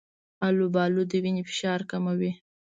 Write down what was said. آلوبالو د وینې فشار کموي.